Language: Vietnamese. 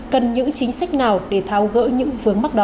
cần những chính sách nào để tháo gỡ những vướng mắc đó